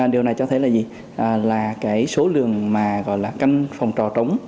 điều này cho thấy là cái số lượng mà gọi là căn phòng trò trống